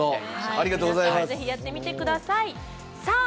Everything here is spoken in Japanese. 皆さんもぜひやってみてください。